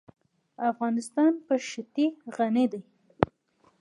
افغانستان په ښتې غني دی.